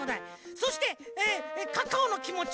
そしてカカオのきもち